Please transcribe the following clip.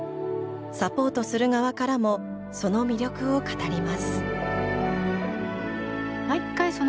サポートする側からもその魅力を語ります。